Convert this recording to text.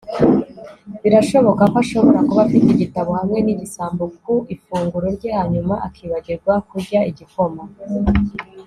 Birashoboka ko ashobora kuba afite igitabo hamwe nigisambo ku ifunguro rye hanyuma akibagirwa kurya igikoma